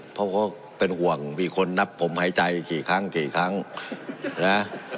เพราะเขาเป็นห่วงมีคนนับผมหายใจกี่ครั้งกี่ครั้งนะ